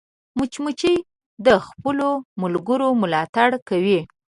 مچمچۍ د خپلو ملګرو ملاتړ کوي